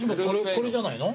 これじゃないの？